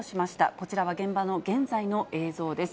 こちらは現場の現在の映像です。